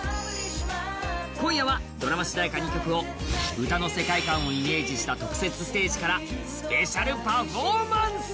今夜はドラマ主題歌２曲を歌の世界観をイメージした特設ステージからスペシャルパフォーマンス。